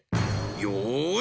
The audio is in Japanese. よし！